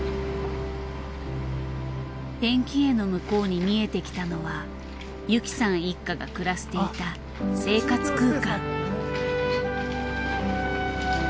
ペンキ絵の向こうに見えてきたのはユキさん一家が暮らしていた生活空間。